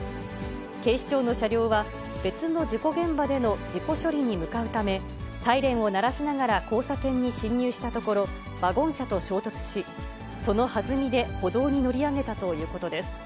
警視庁の車両は、別の事故現場での事故処理に向かうため、サイレンを鳴らしながら交差点に進入したところ、ワゴン車と衝突し、そのはずみで歩道に乗り上げたということです。